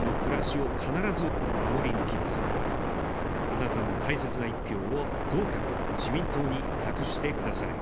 あなたの大切な一票を、どうか自民党に託してください。